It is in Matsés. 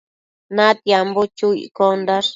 Natiambo chu iccondash